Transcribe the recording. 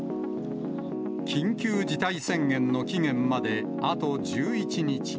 緊急事態宣言の期限まであと１１日。